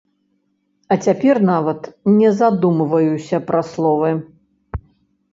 А цяпер нават не задумваюся пра словы.